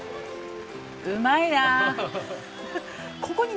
うまいな。